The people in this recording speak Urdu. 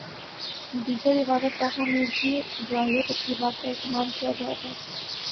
دیگر عبادت گاہوں میں بھی دعائیہ تقریبات کا اہتمام کیا گیا تھا